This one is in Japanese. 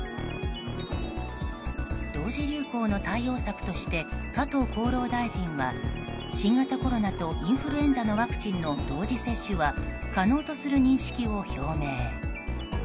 同時流行の対応策として加藤厚労大臣は新型コロナとインフルエンザのワクチンの同時接種は可能とする認識を表明。